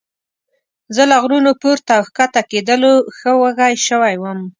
زه له غرونو پورته او ښکته کېدلو ښه وږی شوی وم.